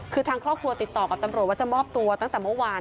คือทางครอบครัวติดต่อกับตำรวจว่าจะมอบตัวตั้งแต่เมื่อวาน